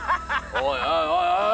おいおいおいおい！